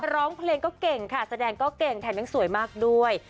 ร้องเพลงก็เก่งค่ะแสดงก็เก่งแถมยังสวยมากด้วย